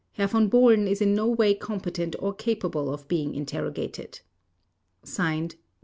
Herr Von Bohlen is in no way competent or capable of being interrogated. /s/ DR.